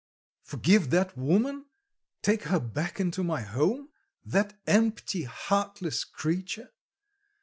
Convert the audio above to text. Forgive that woman, take her back into my home, that empty, heartless creature!